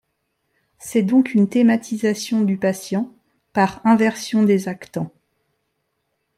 C'est donc une thématisation du patient par inversion des actants.